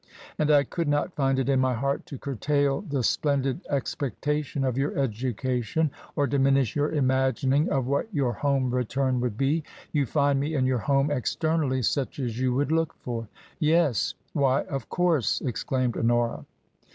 And I could not find it in my heart to curtail the splen did expectation of your education, or diminish your imagining of what your home return would be. You find me and your home externally such as you would look for r " Yes ! Why ! Of course !" exclaimed Honora.